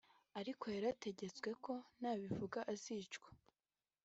ariko yarategetswe ko nabivuga azicwa